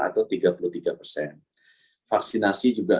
atau tiga puluh tiga persen vaksinasi juga